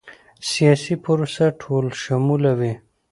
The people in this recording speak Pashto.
سیاسي پروسه ټولشموله وي